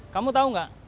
kamu tahu nggak